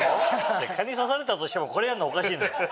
いや蚊に刺されたとしてもこれやんのおかしいのよ。